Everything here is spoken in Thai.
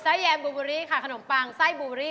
ใส่แยมบรูบอรี่ค่ะขนมปังใส่บรูบอรี่